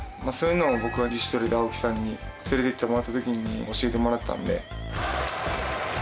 そういうのも僕は自主トレで青木さんに連れていってもらったときに教えてもらったんで。